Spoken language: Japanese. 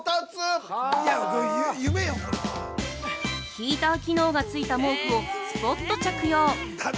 ◆ヒーター機能がついた毛布をすぽっと着用。